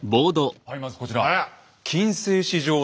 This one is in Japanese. はいまずこちら。